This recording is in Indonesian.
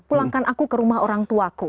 pulangkan aku ke rumah orang tuaku